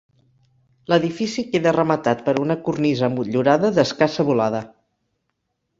L'edifici queda rematat per una cornisa motllurada d'escassa volada.